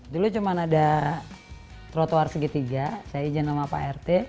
dulu cuma ada trotoar segitiga saya izin sama pak rt